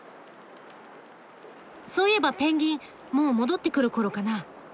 そういえばペンギンもう戻って来るころかな。